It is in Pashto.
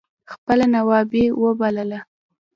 خپله نوابي اوبائلله